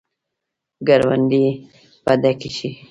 کروندې به ډکې شي.